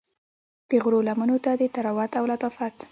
د غرو لمنو ته د طراوت او لطافت